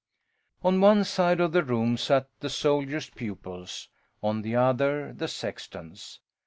On one side of the room sat the soldier's pupils, on the other the sexton's.